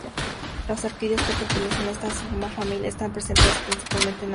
Las orquídeas que pertenecen a esta subfamilia están presentes principalmente en África.